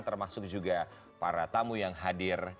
termasuk juga para tamu yang hadir